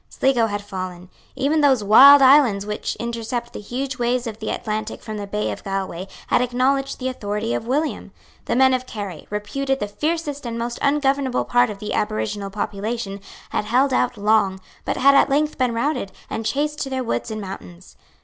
Sligo had fallen. Even those wild islands which intercept the huge waves of the Atlantic from the bay of Galway had acknowledged the authority of William. The men of Kerry, reputed the fiercest and most ungovernable part of the aboriginal population, had held out long, but had at length been routed, and chased to their woods and mountains.